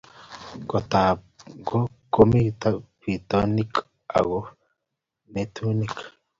Kootab ngo komito bitonin ago nengung?